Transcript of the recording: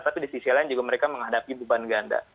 tapi di sisi lain juga mereka menghadapi beban ganda